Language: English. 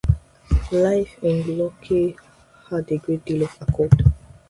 Life in Locke had a great deal of accord.